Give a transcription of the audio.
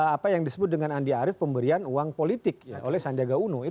apa yang disebut dengan andi arief pemberian uang politik oleh sandiaga uno